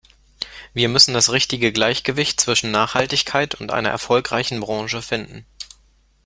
Wir müssen das richtige Gleichgewicht zwischen Nachhaltigkeit und einer erfolgreichen Branche finden.